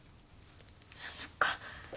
そっか。